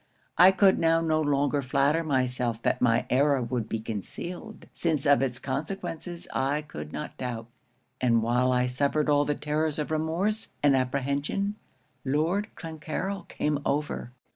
I could now no longer flatter myself that my error would be concealed, since of its consequences I could not doubt; and while I suffered all the terrors of remorse and apprehension, Lord Clancarryl came over.